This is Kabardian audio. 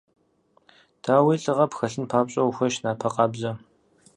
Дауи, лӏыгъэ пхэлъын папщӏэ ухуейщ напэ къабзэ.